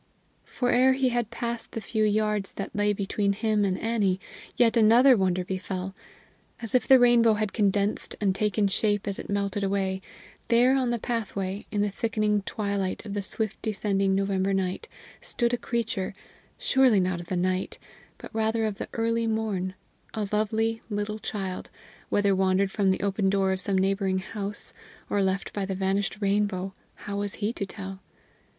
For ere he had passed the few yards that lay between him and Annie yet another wonder befell: as if the rainbow had condensed, and taken shape as it melted away, there on the pathway, in the thickening twilight of the swift descending November night, stood a creature, surely not of the night, but rather of the early morn, a lovely little child whether wandered from the open door of some neighboring house, or left by the vanished rainbow, how was he to tell?